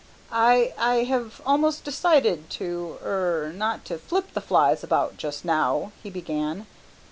"I I have almost decided to er not to flip the flies about just now," he began.